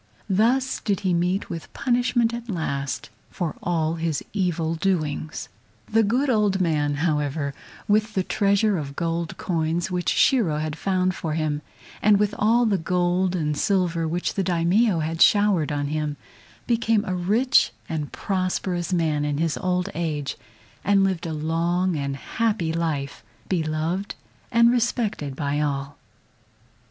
Thus did he meet with punishment at last for all his evil doings. The good old man, however, with the treasure of gold coins which Shiro had found for him, and with all the gold and the silver which the Daimio had showered on him, became a rich and prosperous man in his old age, and lived a long and happy life, beloved and respected by all.